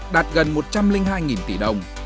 đạt gần một trăm linh hai tỷ đồng